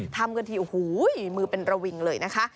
ทำกันทีโอ้โหมือเป็นระวิงเลยนะคะ